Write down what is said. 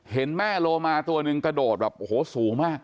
เห็นแม่โลมาตัวหนึ่งกระโดดแบบโอ้โหสูงมาก